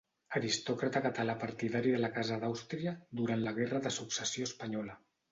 Aristòcrata català partidari de la Casa d'Àustria durant la Guerra de Successió Espanyola.